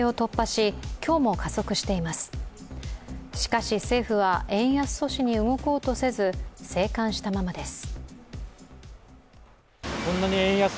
しかし、政府は円安阻止に動こうとせず、静観したままです。